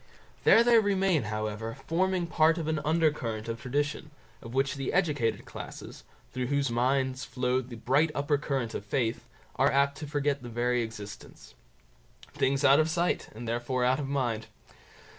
There they remain, however, forming part of an under current of tradition, of which the educated classes, through whose minds flows the bright upper current of faith, are apt to forget the very existence. Things out of sight, and therefore out of mind.